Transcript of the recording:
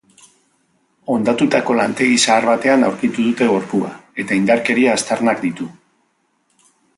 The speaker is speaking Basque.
Hondatutako lantegi zahar batean aurkitu dute gorpua eta indarkeria aztarnak ditu.